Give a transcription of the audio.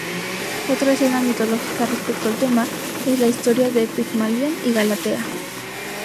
Otra escena mitológica respecto al tema, es la historia de Pigmalión y Galatea.